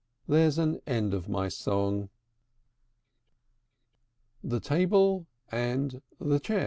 There's an end of my song. THE TABLE AND THE CHAIR.